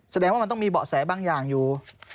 แสดงว่ามันต้องมีเบาะแสบางอย่างอยู่